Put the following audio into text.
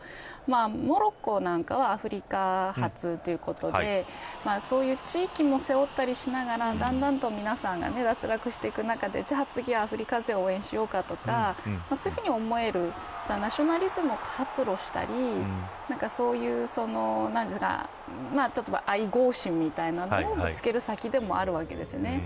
モロッコなんかはアフリカ初ということでそういう地域も背負ったりしながら、だんだんと皆さんが脱落していく中で次、アフリカ勢を応援しようかとかそういうふうに思えるナショナリズムを発露したり愛国心みたいなのを見つける先でもあるわけですよね。